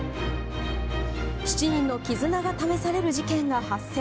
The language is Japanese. ７人の絆が試される事件が発生。